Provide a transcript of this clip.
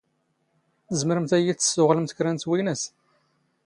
ⵜⵣⵎⵔⵎⵜ ⴰⴷ ⵉⵢⵉ ⴷ ⵜⵙⵙⵓⵖⵍⵎⵜ ⴽⵔⴰ ⵏ ⵜⵡⵉⵏⴰⵙ?